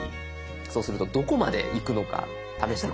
そうするとどこまでいくのか試して。